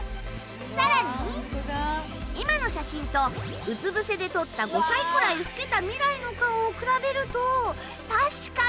さらに今の写真とうつ伏せで撮った５歳くらい老けた未来の顔を比べると確かに。